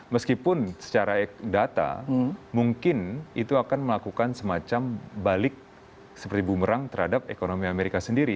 meskipun secara data mungkin itu akan melakukan semacam balik seperti bumerang terhadap ekonomi amerika sendiri